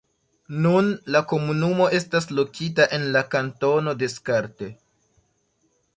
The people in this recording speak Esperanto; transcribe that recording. Nun, la komunumo estas lokita en la kantono Descartes.